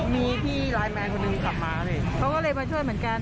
มีพี่ไลน์แมนคนหนึ่งขับมาพี่เขาก็เลยมาช่วยเหมือนกัน